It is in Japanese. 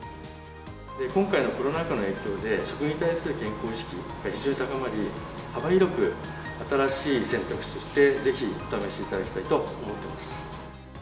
今回のコロナ禍の影響で、食に対する健康志向が非常に高まり、幅広く新しい選択肢として、ぜひお試しいただきたいと思ってます。